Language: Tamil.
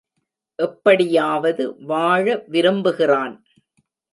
எப்படியாவது வாழ விரும்புகிறான்.